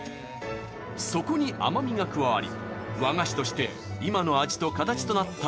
そこに甘みが加わり和菓子として今の味と形となった羊羹。